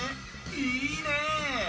いいね！